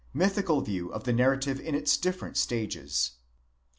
MYIHICAL VIEW OF THE NARRATIVE IN ITS DIFFERENT STAGES.